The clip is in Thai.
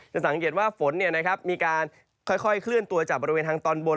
สังเกตว่าฝนมีการค่อยเคลื่อนตัวจากบริเวณทางตอนบน